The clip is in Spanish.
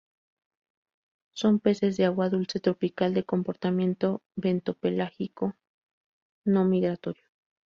Son peces de agua dulce tropical, de comportamiento bentopelágico no migratorio.